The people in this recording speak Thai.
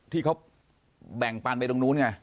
ที่เขาแบ่งปันไปตรงนู้นไง